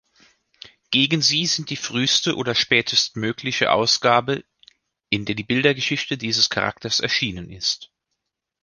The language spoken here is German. gegen sie sind die früheste oder spätestmögliche Ausgabe, in der die Bildergeschichte dieses Charakters erschienen ist.